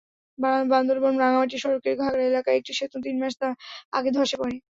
বান্দরবান-রাঙামাটির সড়কের ঘাগড়া এলাকায় একটি সেতু তিন মাস আগে ধসে পড়ে।